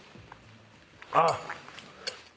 あっ！